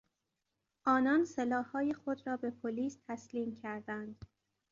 آنان سلاحهای خود را به پلیس تسلیم کردند.